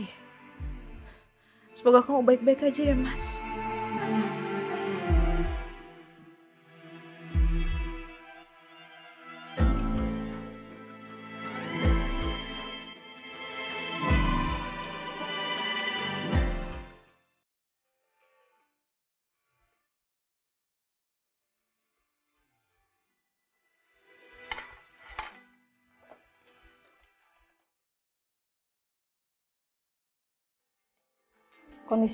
semoga kamu baik baik aja ya mas